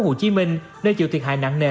hồ chí minh nơi chịu thiệt hại nặng nề